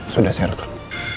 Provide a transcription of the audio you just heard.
sudah saya rekan